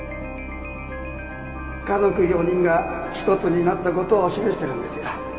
家族４人がひとつになった事を示してるんですよ。